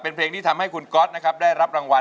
เป็นเพลงที่ทำให้คุณก๊อตนะครับได้รับรางวัล